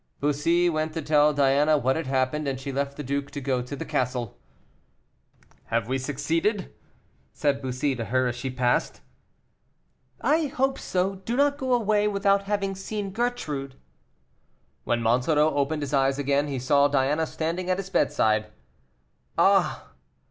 Bussy went to tell Diana what had happened, and she left the duke to go to the castle. "Have we succeeded?" said Bussy to her as she passed. "I hope so; do not go away without having seen Gertrude." When Monsoreau opened his eyes again, he saw Diana standing at his bedside. "Ah!